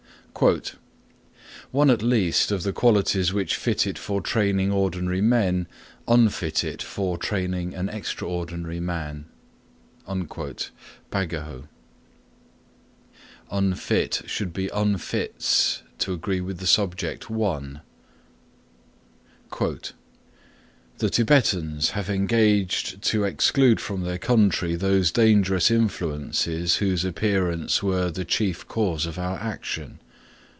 (2) "One at least of the qualities which fit it for training ordinary men unfit it for training an extraordinary man." Bagehot. (Should be unfits to agree with subject one.) (3) "The Tibetans have engaged to exclude from their country those dangerous influences whose appearance were the chief cause of our action."